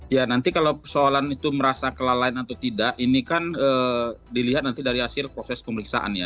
ya nanti kalau persoalan itu merasa kelalaian atau tidak ini kan dilihat nanti dari hasil proses pemeriksaan ya